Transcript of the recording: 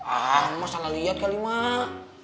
ah emak salah liat kali mak